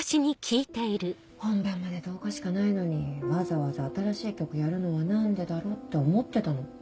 本番まで１０日しかないのにわざわざ新しい曲やるのは何でだろうって思ってたの。